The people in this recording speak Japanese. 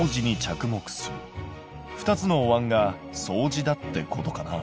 ２つのおわんが相似だってことかな。